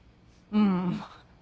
うん。